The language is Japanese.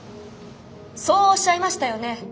そうおっしゃいましたよね山田さん。